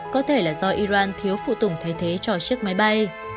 có thể là do iran thiếu phụ tùng thay thế cho chiếc máy bay